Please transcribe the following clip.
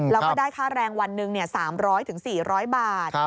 แล้วก็ได้ค่าแรงวันหนึ่ง๓๐๐๔๐๐บาท